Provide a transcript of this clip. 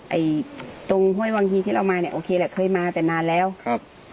ไอ้ตรงห้วยวังฮีที่เรามาเนี้ยโอเคแหละเคยมาแต่นานแล้วครับ